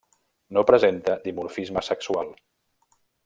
No presenta dimorfisme sexual.